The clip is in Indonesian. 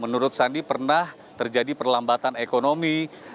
menurut sandi pernah terjadi perlambatan ekonomi